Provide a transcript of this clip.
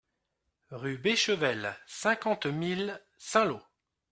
Rue Béchevel, cinquante mille Saint-Lô